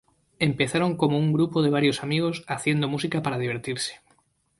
Empezaron como un grupo de varios amigos haciendo música para divertirse.